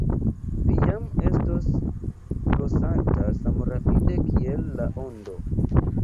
Vi jam estos flosanta samrapide kiel la ondo.